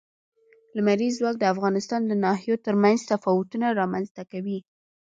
لمریز ځواک د افغانستان د ناحیو ترمنځ تفاوتونه رامنځ ته کوي.